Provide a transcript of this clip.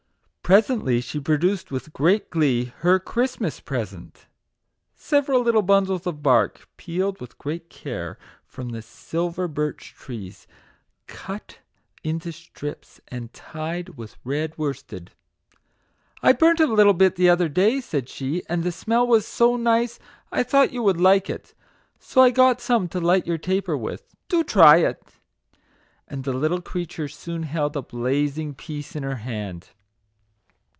Presently she produced with great glee her " Christmas pre sent/' several little bundles of bark, peeled with great care, from the silver birch trees, cut into slips, and tied with red worsted. " I burnt a little bit the other day/' said she, " and the smell was so nice I thought you would like it, so I got some to light your taper with do try it;" and the little creature soon held a blazing piece in her hand.